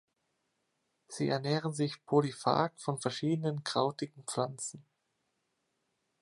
Sie ernähren sich polyphag von verschiedenen krautigen Pflanzen.